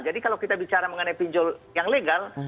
jadi kalau kita bicara mengenai pinjol yang legal